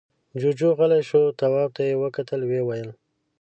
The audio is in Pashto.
جُوجُو غلی شو، تواب ته يې وکتل، ويې ويل: